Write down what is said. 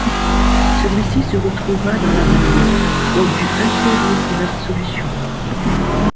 Celui-ci se retrouva dans l'abandon et dû implorer son absolution.